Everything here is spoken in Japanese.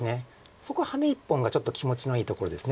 そこハネ１本がちょっと気持ちのいいところです。